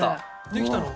できたの？